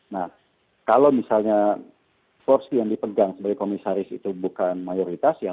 nah kalau misalnya porsi yang dipegang sebagai komisaris itu bukan mayoritas ya